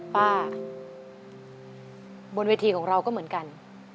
บนเวทีของเราก็เหมือนกัน